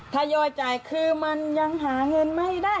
ถ้าโยชน์จ่ายคือมันยังหาเงินไม่ได้